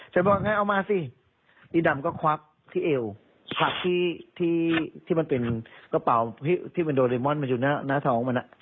ฉันบอกงั้นเอามาสิอีดำก็ควับที่เอวควับที่ที่ที่มันเป็นกระเป๋าที่เป็นโดรีมอนด์มันอยู่หน้าหน้าท้องมันอ่ะ